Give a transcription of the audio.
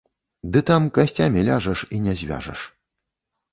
Ды там касцямі ляжаш і не звяжаш.